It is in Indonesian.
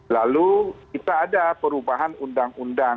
lalu kita ada perubahan undang undang